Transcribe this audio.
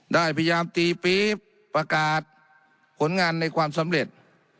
ได้พยายามตีปี๊บประกาศผลงานในความสำเร็จ